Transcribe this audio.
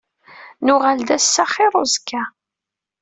Nuɣal-d ass-a xiṛ uzekka.